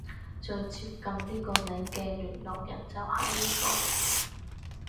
最接近呢個名嘅聯絡人就係呢個